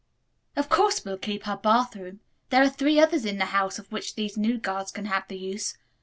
"Of course we'll keep our bathroom. There are three others in the house of which these new girls can have the use.